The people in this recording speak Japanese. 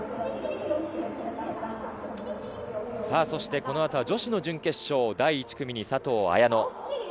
そしてこのあと女子の準決勝第１組に佐藤綾乃。